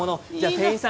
店員さん